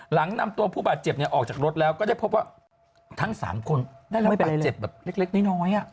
หลังนำตัวผู้บาดเจ็บออกจากรถแล้วก็ได้พบว่าทั้ง๓คนได้รับบาดเจ็บแบบเล็กน้อย